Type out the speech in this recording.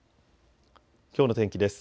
きょうの天気です。